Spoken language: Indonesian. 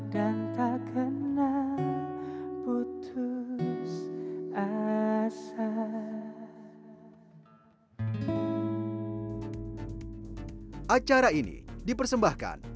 dan tak kenal putus asa